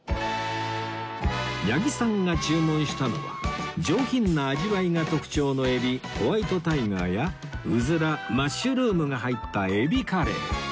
八木さんが注文したのは上品な味わいが特徴のエビホワイトタイガーやうずらマッシュルームが入ったエビカレー